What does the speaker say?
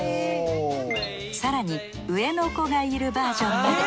更に上の子がいるバージョンも。